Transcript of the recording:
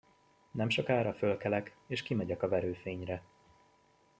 Nemsokára fölkelek, és kimegyek a verőfényre.